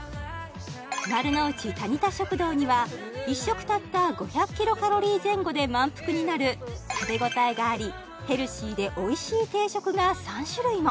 丸の内タニタ食堂には１食たった５００ｋｃａｌ前後で満腹になる食べ応えがありヘルシーでおいしい定食が３種類も